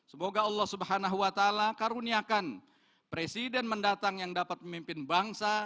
semoga allah subhanahu wa ta'ala karuniakan presiden mendatang yang dapat memimpin bangsa